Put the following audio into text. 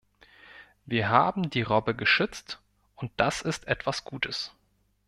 Wir haben die Robbe geschützt und das ist etwas Gutes.